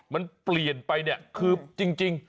มันเปลี่ยนไปเนี่ยคือจริง